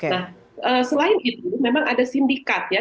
nah selain itu memang ada sindikat ya